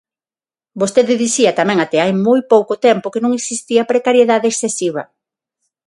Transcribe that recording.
Vostede dicía tamén até hai moi pouco tempo que non existía precariedade excesiva.